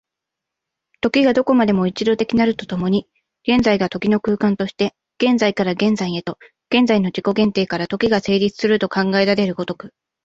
時がどこまでも一度的なると共に、現在が時の空間として、現在から現在へと、現在の自己限定から時が成立すると考えられる如く、